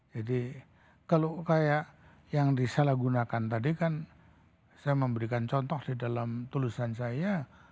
jadi kalau kayak yang disalahgunakan tadi kan saya memberikan contoh di dalam tulisan saya